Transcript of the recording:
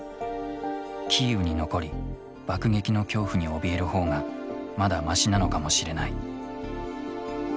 キーウに残り爆撃の恐怖におびえる方がまだましなのかもしれない。